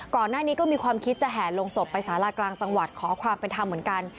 ก่อนหน้านี้ก็มีความคิดจะแห่ลงศพไปสารากลางจังหวัดขอความเป็นธรรมเหมือนกัน